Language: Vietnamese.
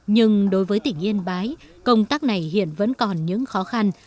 nhưng đối với tỉnh yên bái công tác này hiện vẫn còn những khó khăn